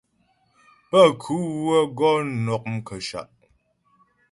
Pənkhʉ wə́ gɔ nɔ' mkəshâ'.